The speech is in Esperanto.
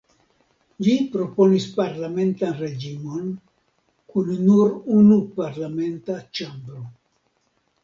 Ĝi proponis parlamentan reĝimon, kun nur unu parlamenta ĉambro.